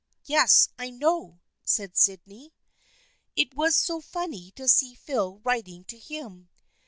'" Yes, I know," said Sydney. " It was so funny to see Phil writing to him.